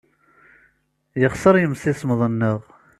Yexṣer yemsismeḍ-nneɣ.